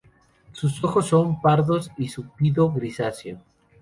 Sus ojos son pardos y su pido grisáceo.